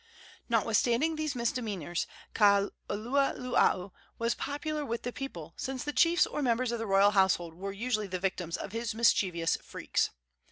Notwithstanding these misdemeanors, Kaululaau was popular with the people, since the chiefs or members of the royal household were usually the victims of his mischievous freaks.